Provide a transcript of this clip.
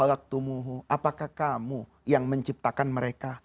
apakah kamu yang menciptakan mereka